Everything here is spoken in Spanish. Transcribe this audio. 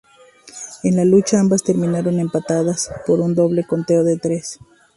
En la lucha, ambas terminaron empatadas por un doble conteo de tres.